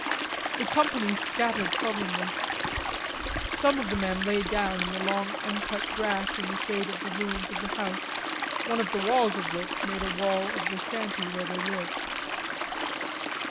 The company scattered sullenly. Some of the men lay down in the long uncut grass in the shade of the ruins of the house, one of the walls of which made a wall of the shanty where they lived.